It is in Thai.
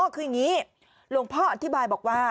คืออย่างนี้หลวงพ่ออธิบายบอกว่า